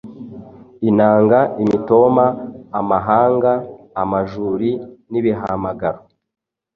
Inanga, Imitoma, Amahamba ,amajuri n’ibihamagaro,